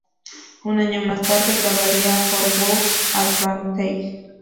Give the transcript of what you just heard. Un año más tarde grabarían "For Whose Advantage?